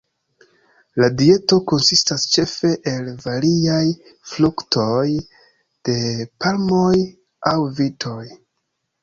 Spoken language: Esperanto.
La dieto konsistas ĉefe el variaj fruktoj, de palmoj aŭ vitoj.